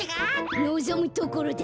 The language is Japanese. のぞむところだ。